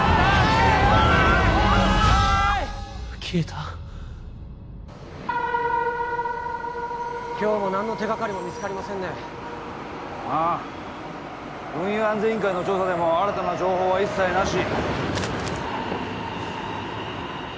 消えた今日も何の手がかりも見つかりませんねああ運輸安全委員会の調査でも新たな情報は一切なし